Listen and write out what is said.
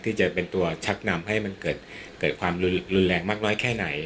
ที่จะเป็นตัวชักนำให้มันเกิดความรุนแรงมากน้อยแค่ไหน